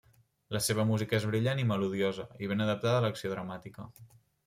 La seva música és brillant i melodiosa, i ben adaptada a l'acció dramàtica.